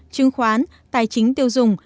chứng khoán tài chính tiêu dùng